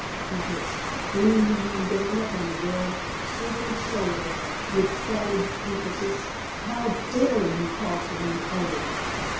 she hissed, bringing her hand down upon the girl's shrinking shoulder with savage emphasis "how dare you call Serena old?"